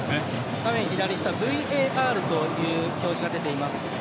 画面の左下にＶＡＲという表示が出ています。